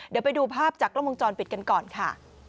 เดี๋ยวไปดูภาพจากกล้องวงจรปิดกันก่อนค่ะ